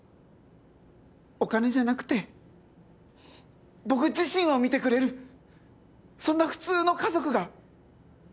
お金じゃなくて僕自身を見てくれるそんな普通の家族が。